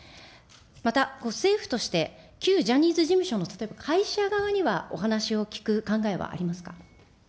また政府として、旧ジャニーズ事務所の会社側にはお話を聞く考えはありますか。